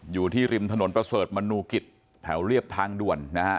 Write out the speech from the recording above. อยู่ที่ริมถนนประเสริฐมนูกิจแถวเรียบทางด่วนนะฮะ